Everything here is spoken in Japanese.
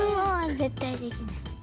絶対できない。